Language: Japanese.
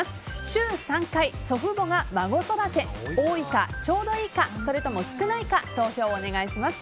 週３回、祖父母が孫育て多いか、ちょうどいいかそれとも少ないか投票をお願いします。